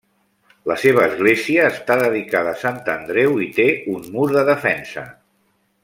La seva església està dedicada a Sant Andreu i té un mur de defensa.